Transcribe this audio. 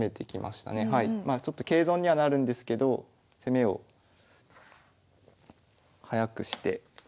まあちょっと桂損にはなるんですけど攻めを早くしてスピードで。